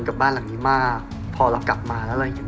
กับบ้านหลังนี้มากพอเรากลับมาแล้วเราเห็น